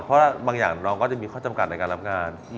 เพราะบางอย่างน้องก็จะมีข้อจำกัดในการรับงาน